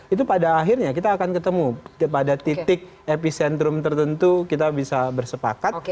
itu pada akhirnya kita akan ketemu pada titik epicentrum tertentu kita bisa bersepakat